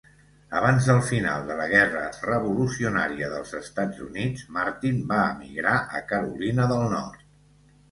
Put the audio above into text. Abans del final de la Guerra Revolucionària dels Estats Units, Martin va emigrar a Carolina del Nord.